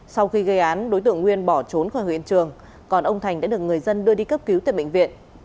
sau khi gây án đối tượng nguyên bỏ trốn khỏi hiện trường còn ông thành đã được người dân đưa đi cấp cứu tại bệnh viện